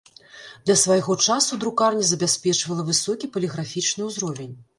Для свайго часу друкарня забяспечвала высокі паліграфічны ўзровень.